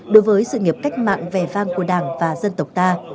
đối với sự nghiệp cách mạng vẻ vang của đảng và dân tộc ta